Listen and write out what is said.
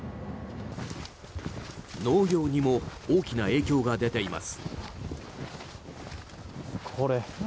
農業にも大きな影響が出ています。